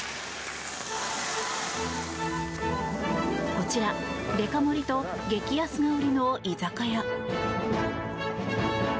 こちらデカ盛りと激安が売りの居酒屋。